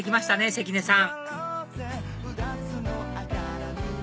関根さん